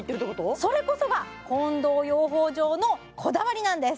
それこそが近藤養蜂場のこだわりなんです